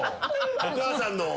お母さんのを。